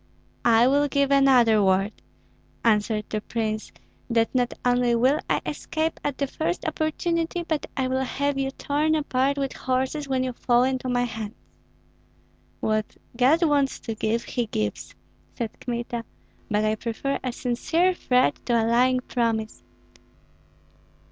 "I will give another word," answered the prince, "that not only will I escape at the first opportunity, but I will have you torn apart with horses, when you fall into my hands." "What God wants to give, he gives!" said Kmita. "But I prefer a sincere threat to a lying promise.